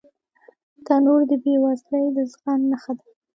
تنور د بې وزلۍ د زغم نښه ده